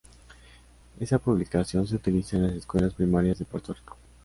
Esa publicación se utiliza en las escuelas primarias de Puerto Rico.